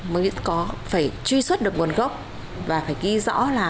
mới có phải truy xuất được nguồn gốc và phải ghi rõ là